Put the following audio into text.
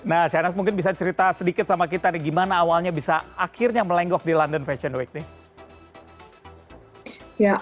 nah sianas mungkin bisa cerita sedikit sama kita nih gimana awalnya bisa akhirnya melenggok di london fashion week nih